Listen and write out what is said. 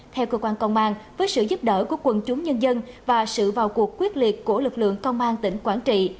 theo cơ quan công an với sự giúp đỡ của quần chúng nhân dân và sự vào cuộc quyết liệt của lực lượng công an tỉnh quảng trị